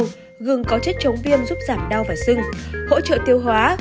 chà chanh gừng có chất chống viêm giúp giảm đau và sưng hỗ trợ tiêu hóa